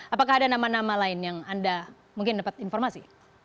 apakah ada nama nama lain yang anda mungkin dapat informasi